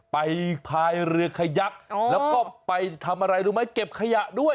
พายเรือขยักแล้วก็ไปทำอะไรรู้ไหมเก็บขยะด้วย